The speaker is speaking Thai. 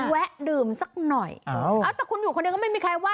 แวะดื่มสักหน่อยเอาแต่คุณอยู่คนเดียวก็ไม่มีใครว่า